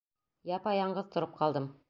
Япа-яңғыҙ тороп ҡалдым.